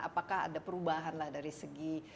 apakah ada perubahan lah dari segi